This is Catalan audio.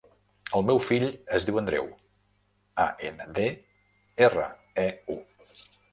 El meu fill es diu Andreu: a, ena, de, erra, e, u.